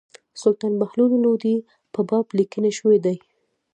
سلطان بهلول لودي په باب لیکني شوي دي.